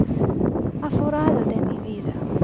Aforrado de mi vida!